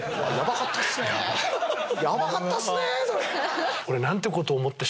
ヤバかったっすね。